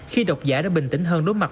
khi độc giả đã bình tĩnh hơn đối mặt